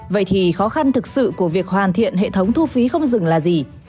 vậy thì khó khăn thực sự của việc hoàn thiện hệ thống thu phí không dừng là gì